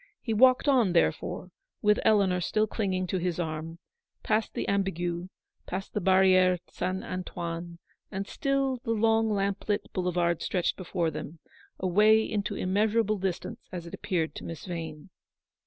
He walked on, therefore, with Eleanor still cliuging to his arm ; past the Ambigu, be yond the Barriere St. Antoine ; and still the long lamp lit boulevard stretched before them, away 86 into immeasurable distance, as it appeared to Miss Vane.